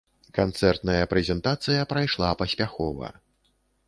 Канцэртная прэзентацыя прайшла паспяхова.